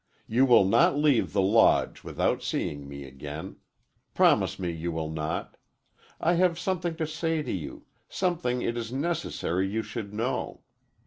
You will not leave the Lodge without seeing me again. Promise me you will not. I have something to say to you something it is necessary you should know.